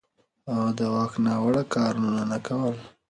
هغه د واک ناوړه کارونه نه کول.